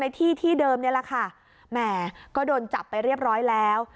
ที่ที่เดิมนี่แหละค่ะแหมก็โดนจับไปเรียบร้อยแล้ว